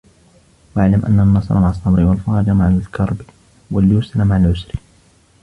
وَاعْلَمْ أَنَّ النَّصْرَ مَعَ الصَّبْرِ ، وَالْفَرَجَ مَعَ الْكَرْبِ ، وَالْيُسْرَ مَعَ الْعُسْرِ